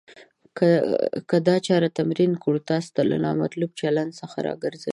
که دا چاره تمرین کړئ. تاسو له نامطلوب چلند څخه راګرځوي.